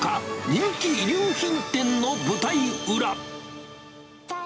人気衣料品店の舞台裏。